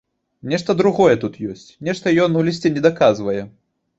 Нешта другое тут ёсць, нешта ён у лісце недаказвае.